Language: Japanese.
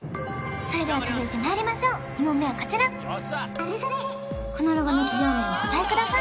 それでは続いてまいりましょう２問目はこちらこのロゴの企業名をお答えください